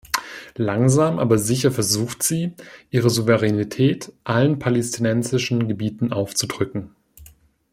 Langsam, aber sicher versucht sie, ihre Souveränität allen palästinensischen Gebieten aufzudrücken.